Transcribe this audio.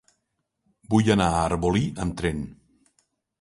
Vull anar a Arbolí amb tren.